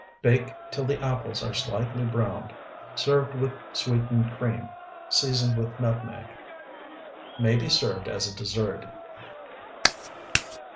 Bake till the apples are slightly browned. Serve with sweetened cream, seasoned with nutmeg. May be served as a dessert.